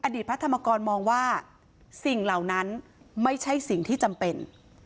พระธรรมกรมองว่าสิ่งเหล่านั้นไม่ใช่สิ่งที่จำเป็น